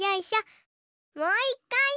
もういっかい！